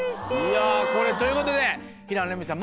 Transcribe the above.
ということで平野レミさん。